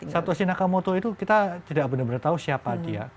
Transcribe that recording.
satoshi nakamoto itu kita tidak benar benar tahu siapa dia